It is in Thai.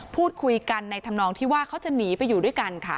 พูดคุยกันในธรรมนองที่ว่าเขาจะหนีไปอยู่ด้วยกันค่ะ